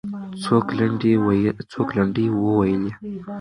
څوک لنډۍ وویلې؟